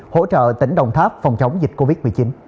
hỗ trợ tỉnh đồng tháp phòng chống dịch covid một mươi chín